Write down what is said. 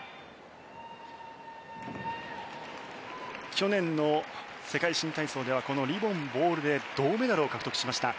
去年の世界新体操ではこのリボン・ボールで銅メダルを獲得しました。